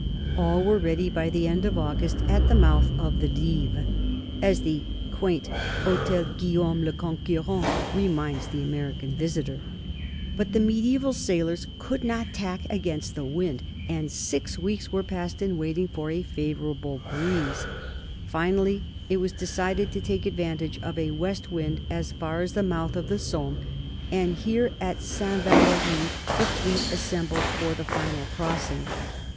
All were ready by the end of August at the mouth of the Dives, as the quaint Hotel Guillaume le Conqu6rant reminds the American visitor, but mediaeval sailors could not tack against the wind, and six weeks were passed in waiting for a favoring breeze. Finally it was decided to take advantage of a west wind as far as the mouth of the Somme, and here at Saint Val6ry the fleet assembled for the final crossing.